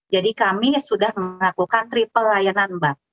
jadi kami sudah melakukan triple layanan mbak